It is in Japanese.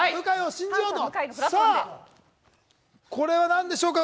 これは何でしょうか？